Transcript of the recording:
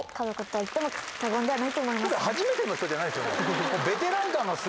今回初めての人じゃないですよね？